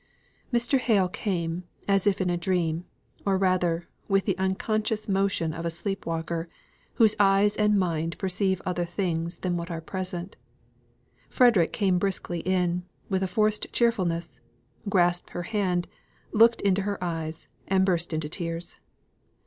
Mr. Hale came as if in a dream, or rather with the unconscious motion of a sleep walker, whose eyes and mind perceive other things than what are present. Frederick came briskly in, with a forced cheerfulness, grasped her hand, looked into her eyes and burst into tears.